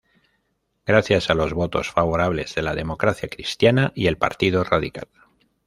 Gracias a los votos favorables de la Democracia Cristiana y el Partido Radical.